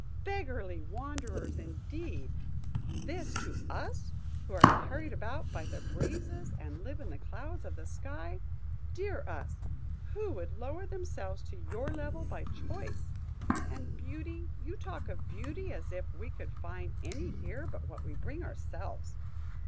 Beggarly wanderers, indeed! This to us, who are carried about by the breezes, and live in the clouds of the sky! Dear us! Who would lower themselves to your level by choice? And beauty,–you talk of beauty, as if we could find any here but what we bring ourselves.